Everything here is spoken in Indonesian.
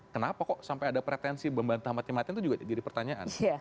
kenapa kok sampai ada pretensi membantah mati matian itu juga jadi pertanyaan